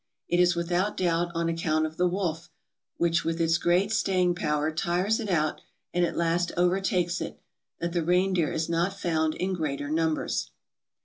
It is with out doubt on account of the wolf, which with its great staying power tires it out and at last overtakes it, that the reindeer is not found in greater numbers.